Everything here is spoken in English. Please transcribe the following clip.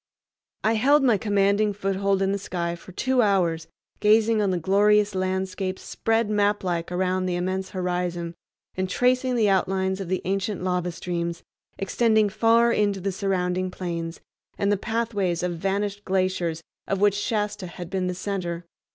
I held my commanding foothold in the sky for two hours, gazing on the glorious landscapes spread maplike around the immense horizon, and tracing the outlines of the ancient lava streams extending far into the surrounding plains, and the pathways of vanished glaciers of which Shasta had been the center.